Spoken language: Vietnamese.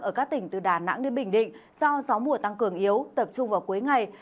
ở các tỉnh từ đà nẵng đến bình định do gió mùa tăng cường yếu tập trung vào cuối ngày